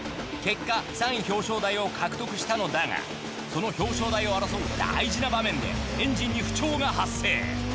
結果３位表彰台を獲得したのだがその表彰台を争う大事な場面でエンジンに不調が発生！